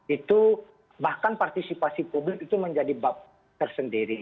itu bahkan partisipasi publik itu menjadi bab tersendiri